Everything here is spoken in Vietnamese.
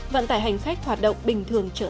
vận tải hành khách hoạt động bình thường trở lại